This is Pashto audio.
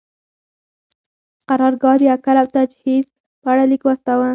قرارګاه د اکل او تجهیز په اړه لیک واستاوه.